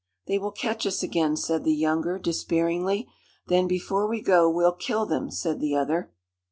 "They will catch us again," said the younger, despairingly. "Then, before we go, we'll kill them," said the other.